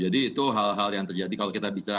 jadi itu hal hal yang terjadi kalau kita bicara